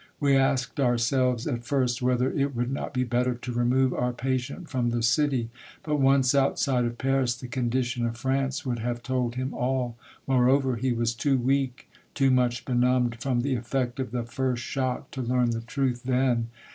We asked ourselves at 46 Monday Tales. first whether it would not be better to remove our patient from the city, but, once outside of Paris, the condition of France would have told him all ; moreover, he was too weak, too much benumbed from the effect of the first shock, to learn the truth then.